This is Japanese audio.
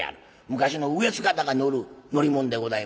昔の上姿が乗る乗り物でございますな。